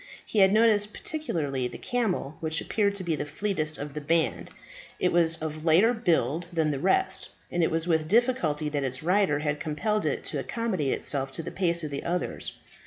He had noticed particularly the camel which appeared to be the fleetest of the band; it was of lighter build than the rest, and it was with difficulty that its rider had compelled it to accommodate itself to the pace of the others.